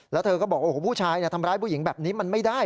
แล้วเธอก็บอกโอ้โหผู้ชายทำร้ายผู้หญิงแบบนี้มันไม่ได้